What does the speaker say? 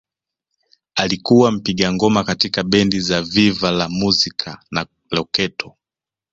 Alikuwa mpiga ngoma katika bendi za Viva la Musica na Loketo